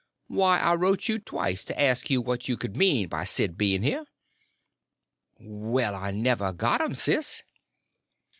Why, I wrote you twice to ask you what you could mean by Sid being here." "Well, I never got 'em, Sis."